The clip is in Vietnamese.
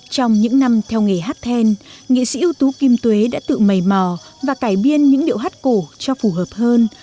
trong những năm theo nghề hát then nghệ sĩ ưu tú kim tuế đã tự mầy mò và cải biên những điệu hát cổ cho phù hợp hơn